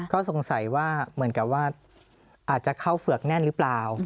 ก็สงสัยว่าเหมือนกับว่าอาจจะเข้าเฝือกแน่นหรือเปล่า